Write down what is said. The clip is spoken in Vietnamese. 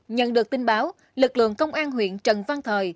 nhận được tin báo lực lượng công an huyện trần văn thời